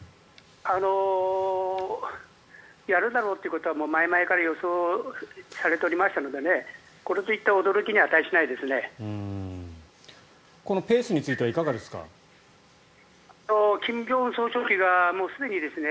やるだろうということは前々から予想されていましたのでこれといった驚きには値しないですね。